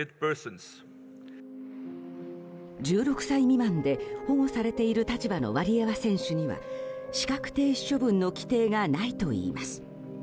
１６歳未満で保護されている立場のワリエワ選手には資格停止処分の規定がないといいます。